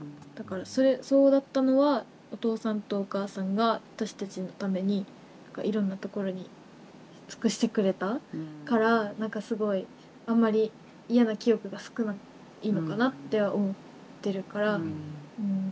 だからそうだったのはお父さんとお母さんが私たちのためにいろんなところに尽くしてくれたからなんかすごいあまり嫌な記憶が少ないのかなって思ってるから。